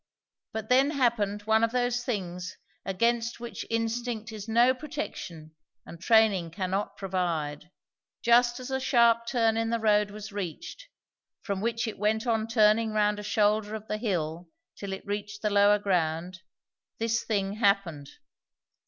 But then happened one of those things against which instinct is no protection and training cannot provide. Just as a sharp turn in the road was reached, from which it went on turning round a shoulder of the hill till it reached the lower ground, this thing happened.